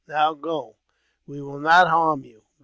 Now go ! we will not harm you.